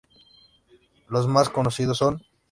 Los más conocidos son;